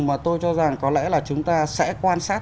mà tôi cho rằng có lẽ là chúng ta sẽ quan sát